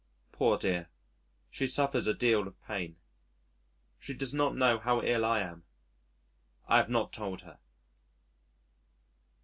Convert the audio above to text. Poor dear, she suffers a deal of pain. She does not know how ill I am. I have not told her.